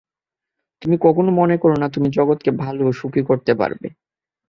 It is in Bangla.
কখনও মনে কর না, তুমি জগৎকে ভাল ও সুখী করতে পার।